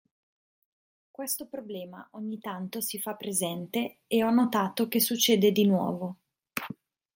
Questo problema ogni tanto si fa presente e ho notato che succede di nuovo.